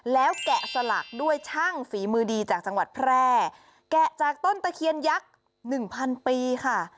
แล้วแกะสลักด้วยช่างฝีมือดีจากจังหวัดแพร่แกะจากต้นตะเคียนยักษ์หนึ่งพันปีค่ะ